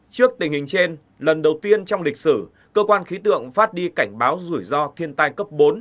trước tình hình trên lần đầu tiên trong lịch sử cơ quan khí tượng phát đi cảnh báo rủi ro thiên tai cấp bốn